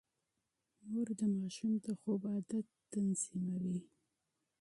مور د ماشوم د خوب عادت تنظيموي.